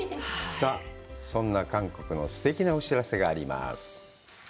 さあそんな韓国のすてきなお知らせがあります。